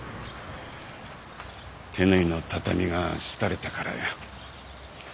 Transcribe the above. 手縫いの畳が廃れたからや。